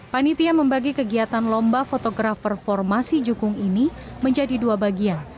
panitia membagi kegiatan lomba fotografer formasi jukung ini menjadi dua bagian